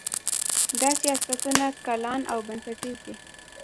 دا سیاستونه کلان او بنسټیز دي.